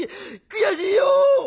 悔しいよ！」。